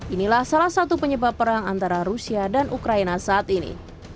inilah salah satu penyebab perang antara rusia dan ukraina saat ini